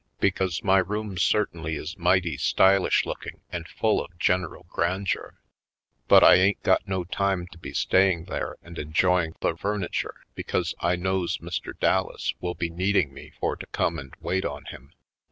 Because my room certainly is mighty stylish looking and full of general grandeur. But I ain't got no time to be staying there and enjoying the furniture, because I knows Mr. Dallas will be needing me for to come and wait on him.